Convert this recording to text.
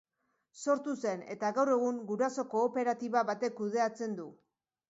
Sortu zen eta gaur egun guraso-kooperatiba batek kudeatzen du.